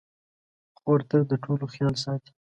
خور تل د ټولو خیال ساتي.